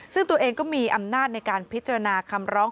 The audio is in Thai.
ซึ่งตัวเองก็มีอำนาจในการพิจารณาคำร้อง